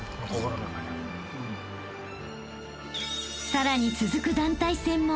［さらに続く団体戦も］